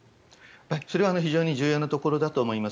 それは非常に重要なところだと思います。